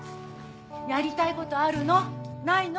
やりたいことあるの？ないの？